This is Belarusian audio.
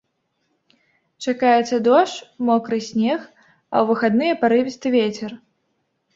Чакаецца дождж, мокры снег, а ў выхадныя парывісты вецер.